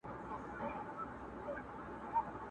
را حاضر یې کړل سویان وه که پسونه!.